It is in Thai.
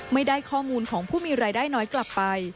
ไม่ได้ข้อมูลของผู้มีรายได้น้อยกลับไป